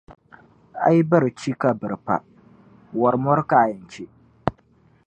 A yi biri chi, ka biri pa, wɔri mɔri ka a yɛn che.